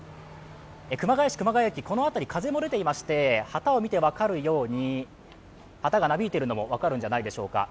熊谷市、熊谷駅、この辺り、風も出ていまして、旗を見て分かるように、旗がなびいているのも分かるんじゃないでしょうか。